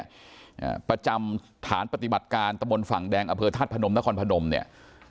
อ่าประจำฐานปฏิบัติการตะบนฝั่งแดงอเภธาตุพนมนครพนมเนี่ย